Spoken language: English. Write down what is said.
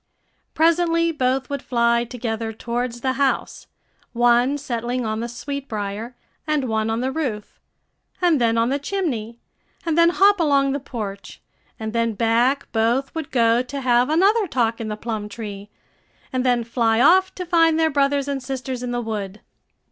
Presently both would fly together towards the house, one settling on the sweetbrier, and one on the roof, and then on the chimney, and then hop along the porch, and then back both would go to have another talk in the plum tree, and then fly off to find their brothers and sisters in the wood.